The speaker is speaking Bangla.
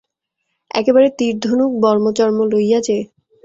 একেবারে তীরধনুক বর্মচর্ম লইয়া যে।